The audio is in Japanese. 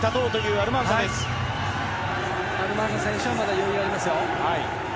アルマンサ選手はまだ余裕がありますよ。